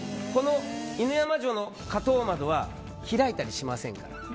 犬山城のこの窓は開いたりしませんから。